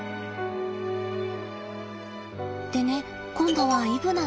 でね今度はイブナがね。